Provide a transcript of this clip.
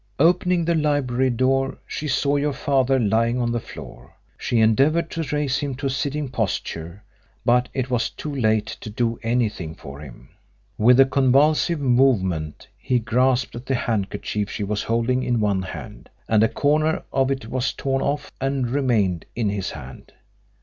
Opening the library door, she saw your father lying on the floor. She endeavoured to raise him to a sitting posture, but it was too late to do anything for him. With a convulsive movement he grasped at the handkerchief she was holding in one hand, and a corner of it was torn off and remained in his hand.